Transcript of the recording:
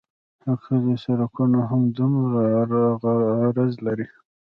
د کلیو سرکونه هم همدومره عرض لري